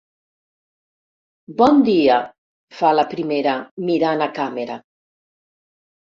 Bon dia —fa la primera, mirant a càmera.